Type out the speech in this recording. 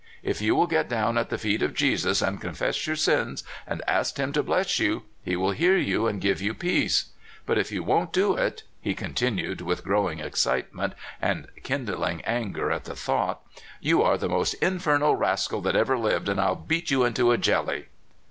If you will get down at the feet of Jesus, and confess your sins, and ask him to bless you, he will hear you, and give you peace. But if you won't do it," he contm ued, with orrowin<j excitement and kindlin<x an<xer at the thought, *' you are the most infernal rascal that ever lived, and I'll beat you into a jelly!